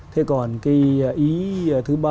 thế còn cái ý thứ ba